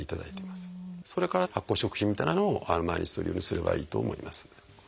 それから発酵食品みたいなのを毎日とるようにすればいいと思います。